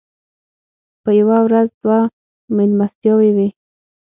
په یوه ورځ دوه مېلمستیاوې وې.